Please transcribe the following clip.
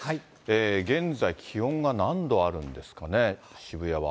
現在気温が何度あるんですかね、渋谷は。